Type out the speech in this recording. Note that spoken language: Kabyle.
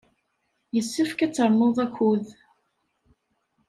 Yessefk ad ternuḍ akud.